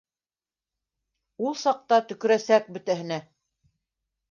Ул саҡта төкөрәсәк бөтәһенә